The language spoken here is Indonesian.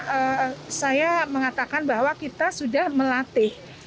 karena saya mengatakan bahwa kita sudah melatih